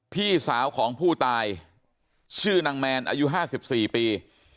พี่สาวของผู้ตายชื่อนางแมนอายุ๕๔ปี